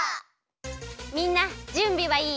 みんなじゅんびはいい？